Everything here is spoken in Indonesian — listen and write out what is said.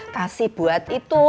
kasih buat itu